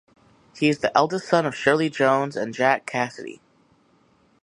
He is the eldest son of Shirley Jones and Jack Cassidy.